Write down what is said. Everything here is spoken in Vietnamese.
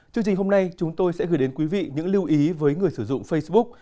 chương trình hôm nay chúng tôi sẽ gửi đến quý vị những lưu ý với người sử dụng facebook